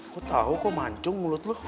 gue tahu kok mancung mulut lo